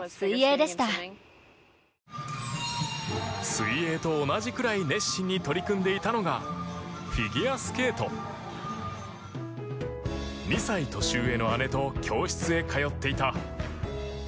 水泳と同じくらい熱心に取り組んでいたのが２歳年上の姉と教室へ通っていた。